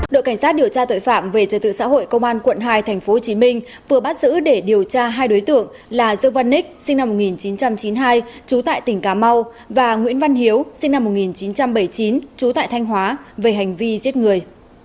đội cảnh sát điều tra tội phạm về trật tự xã hội công an quận hai tp hcm vừa bắt giữ để điều tra hai đối tượng là dương văn ních sinh năm một nghìn chín trăm chín mươi hai trú tại tỉnh cà mau và nguyễn văn hiếu sinh năm một nghìn chín trăm bảy mươi chín trú tại thanh hóa về hành vi giết người